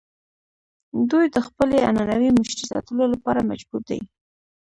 دوی د خپلې عنعنوي مشرۍ ساتلو لپاره مجبور دي.